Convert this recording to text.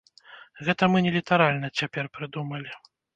Гэта мы не літаральна цяпер прыдумалі.